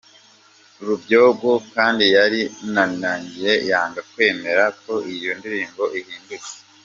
Rubyogo kandi yarinangiye yanga kwemera ko iyo indirimbo ihindutse, n’imibyinire igomba guhinduka